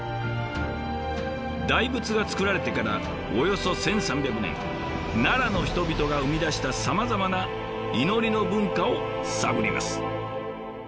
大仏が造られてからおよそ１，３００年奈良の人々が生み出したさまざまな祈りの文化を探ります。